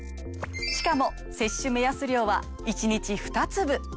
しかも摂取目安量は１日２粒。